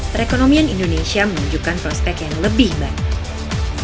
perekonomian indonesia menunjukkan prospek yang lebih baik